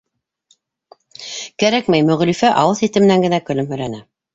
Кәрәкмәй, — Мөғлифә ауыҙ сите менән генә көлөмһөрәне.